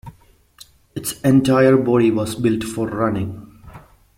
Its entire body was built for running.